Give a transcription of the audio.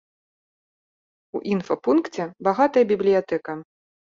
У інфапункце багатая бібліятэка.